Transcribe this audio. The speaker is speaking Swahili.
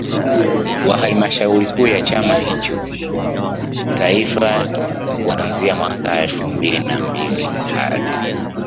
wa Halmashauri Kuu ya chama hicho Taifa kuanzia mwaka elfu mbili na mbili hadi